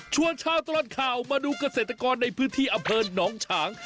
ชวนชาติตอนข่าวมาดูกาเศษกรในพื้นที่อเภิลน้องฉาง